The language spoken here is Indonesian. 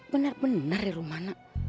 benar benar ya rumana